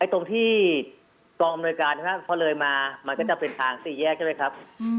ตรงที่กองอำนวยการใช่ไหมพอเลยมามันก็จะเป็นทางสี่แยกใช่ไหมครับ